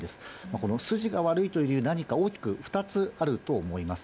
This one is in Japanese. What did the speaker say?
この筋が悪いという理由、何か大きく２つあると思います。